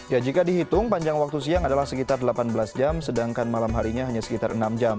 ya jika dihitung panjang waktu siang adalah sekitar delapan belas jam sedangkan malam harinya hanya sekitar enam jam